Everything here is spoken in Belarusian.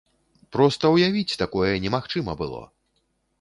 Проста ўявіць такое немагчыма было!